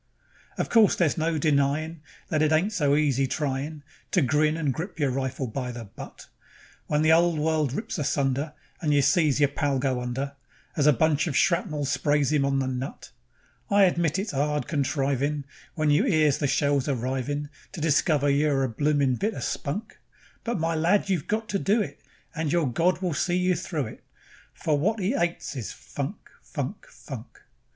Of course there's no denyin' That it ain't so easy tryin' To grin and grip your rifle by the butt, When the 'ole world rips asunder, And you sees yer pal go under, As a bunch of shrapnel sprays 'im on the nut; I admit it's 'ard contrivin' When you 'ears the shells arrivin', To discover you're a bloomin' bit o' spunk; But, my lad, you've got to do it, And your God will see you through it, For wot 'E 'ates is funk, funk, funk.